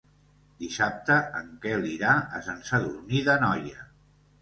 Dissabte en Quel irà a Sant Sadurní d'Anoia.